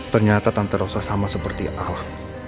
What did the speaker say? ternyata tante rossa sama seperti al